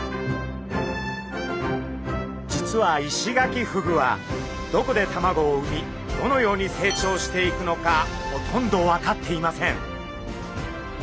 実はイシガキフグはどこで卵を産みどのように成長していくのかほとんど分かっていません。